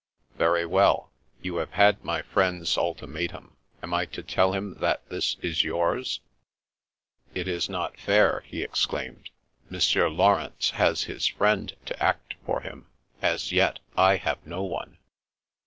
" Very well. You have had my friend's ultima tum. Am I to tell him that this is yours ?" "It is not fair!" he exclaimed. "Monsieur Laurence has his friend to act for him. As yet, I have no one."